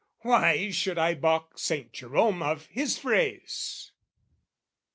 Why should I baulk Saint Jerome of his phrase?